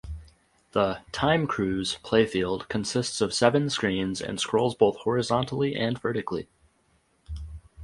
The "Time Cruise" playfield consists of seven screens and scrolls both horizontally and vertically.